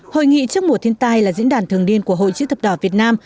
hội nghị trước mùa thiên tai là diễn đàn thường niên của hội chữ thập đỏ việt nam